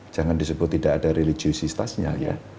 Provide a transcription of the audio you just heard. jangan disebut tidak ada religiusitasnya ya